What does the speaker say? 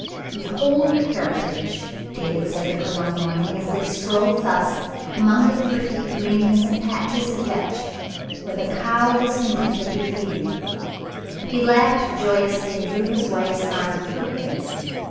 "Behold your heritage !" David said to her one morn ing, as they strolled thus among the thrifty greenness and patches of vetch where the cow was contentedly feeding. He laughed joyously and drew his wife's arm through his.